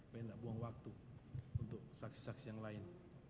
banyak buang waktu untuk saksi saksi yang lain